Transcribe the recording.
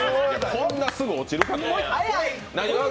こんなすぐ落ちるかね。